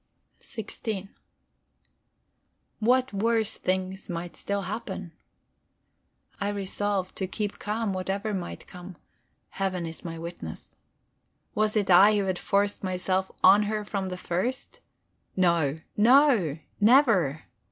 XVI What worse things might still happen? I resolved to keep calm, whatever might come; Heaven is my witness. Was it I who had forced myself on her from the first? No, no; never!